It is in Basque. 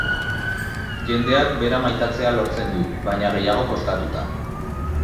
Jendeak bera maitatzea lortzen du, baina gehiago kostatuta.